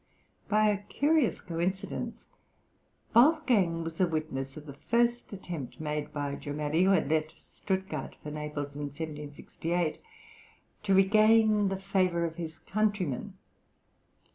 By a curious coincidence, Wolfgang was a witness of the first attempt made by Jomelli, who had left Stuttgart for Naples in 1768, to regain the favour of his countrymen.